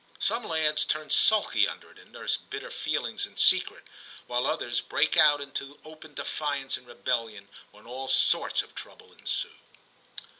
Some lads turn sulky under it, and nurse bitter feelings in secret, while others break out into open defiance and rebellion, when all sorts of trouble ensue.